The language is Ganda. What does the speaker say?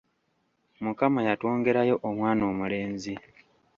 Mukama yatwongerayo omwana omulenzi.